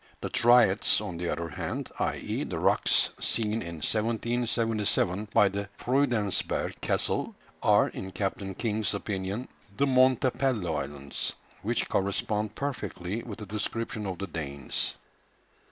The "Triads," on the other hand, i.e. the rocks seen in 1777 by the Freudensberg Castle, are, in Captain King's opinion, the Montepello Islands, which correspond perfectly with the description of the Danes.